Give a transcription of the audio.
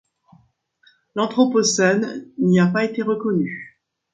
L'Anthropocène n'y a pas été reconnu.